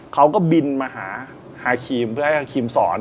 เขาก็บินมาหาฮาครีมเพื่อให้ครีมสอน